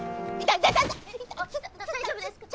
大丈夫ですか？